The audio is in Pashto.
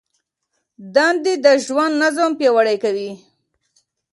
دندې د ژوند نظم پیاوړی کوي.